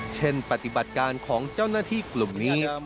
เช่นปฏิบัติการของเจ้าหน้าที่กลุ่มนี้